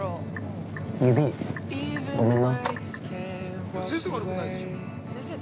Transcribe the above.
指、ごめんな？